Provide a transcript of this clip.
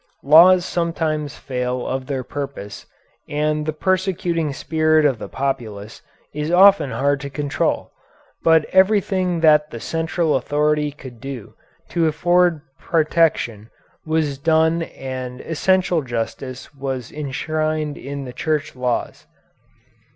Laws sometimes fail of their purpose and the persecuting spirit of the populace is often hard to control, but everything that the central authority could do to afford protection was done and essential justice was enshrined in the Church laws.